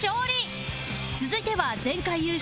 続いては前回優勝